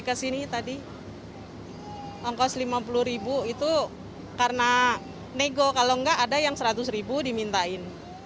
ke sini tadi hai langkos rp lima puluh itu karena nego kalau enggak ada yang rp seratus dimintain